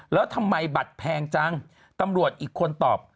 แล้วทำไมบัตรแพงจังตำรวจอีกคนตอบ